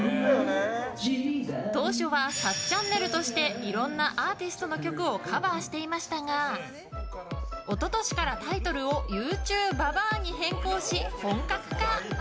当初は「さっちゃんねる」としていろんなアーティストの曲をカバーしていましたが一昨年からタイトルを「ＹｏｕＴｕＢＢＡ！！」に変更し、本格化。